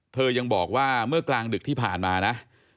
ยังบอกว่าเมื่อกลางดึกที่ผ่านมานะ